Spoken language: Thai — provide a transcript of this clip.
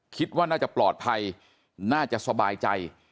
คิดว่าน่าจะปลอดภัยน่าจะสบายใจ